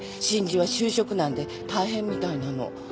新人は就職難で大変みたいなの。